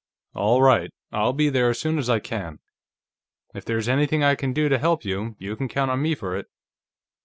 "All right. I'll be there as soon as I can. If there's anything I can do to help you, you can count on me for it."